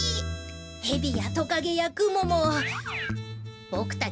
ヘビやトカゲやクモもボクたち